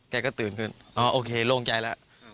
แกก็ตื่นขึ้นอ๋อโอเคโล่งใจแล้ว